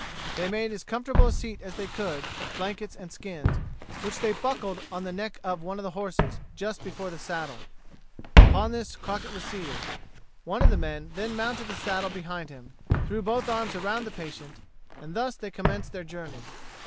They made as comfortable a seat as they could, of blankets and skins, which they buckled on the neck of one of the horses just before the saddle. Upon this Crockett was seated. One of the men then mounted the saddle behind him, threw both arms around the patient, and thus they commenced their journey.